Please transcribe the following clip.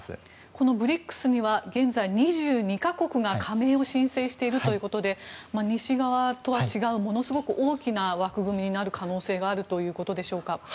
このＢＲＩＣＳには現在、２２か国が加盟を申請しているということで西側とは違うものすごく大きな枠組みになる可能性があるということでしょうか。